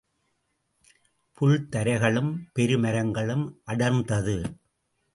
புல் தரைகளும் பெரு மரங்களும் அடர்ந்தது.